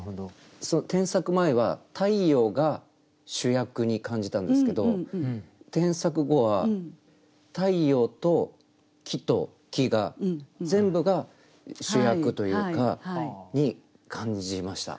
添削前は「太陽」が主役に感じたんですけど添削後は「太陽」と「木と木」が全部が主役というかに感じました。